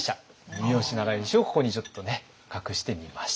三好長慶をここにちょっとね隠してみました。